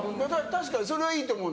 確かにそれはいいと思う。